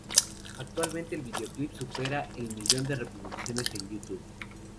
Actualmente el videoclip supera el millón de reproducciones en YouTube.